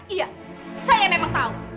iya saya memang tau